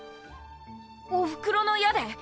おふくろの矢で！？